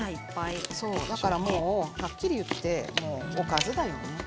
だからはっきり言っておかずだよね。